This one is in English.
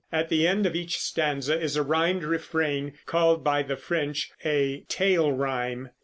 At the end of each stanza is a rimed refrain, called by the French a "tail rime."